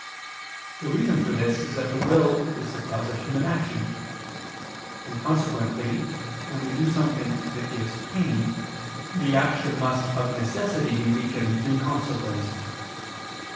The reason for this is that the will is the cause of human actions: and consequently when we do something that gives pain, the action must of necessity be weakened in consequence.